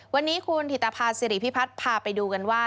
วันนี้คุณถิตภาษิริพิพัฒน์พาไปดูกันว่า